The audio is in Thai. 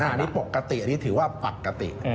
อันนี้ปกติอันนี้ถือว่าปกติ